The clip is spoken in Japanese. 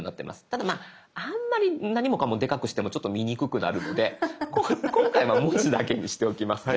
ただあんまり何もかもでかくしてもちょっと見にくくなるので今回は文字だけにしておきますね。